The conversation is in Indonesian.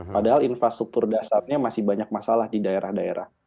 padahal infrastruktur dasarnya masih banyak masalah di daerah daerah